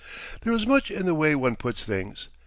There is much in the way one puts things.